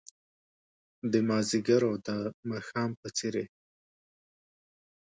د مازدیګر او د ماښام په څیرې